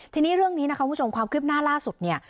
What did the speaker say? ทีนี้เรื่องนี้นะคะคุณผู้ชมความคืบหน้าล่าสุดเนี่ย